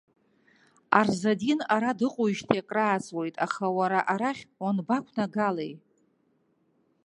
Арзадин ара дыҟоуижьҭеи акрааҵуеит, аха уара арахь уанбақәнагалеи?